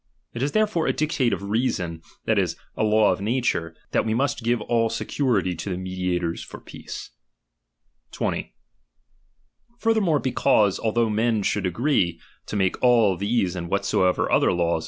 It is therefore a dictate of reason, that is, a law of nature, that we must give all security to the mediators for peace. 20. Furthermore because, although men should wa finteith , agree to make all these and whatsoever other laws bg ^ mnpiio.'